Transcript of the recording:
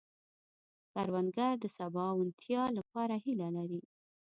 کروندګر د سباوونتیا لپاره هيله لري